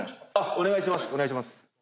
お願いします。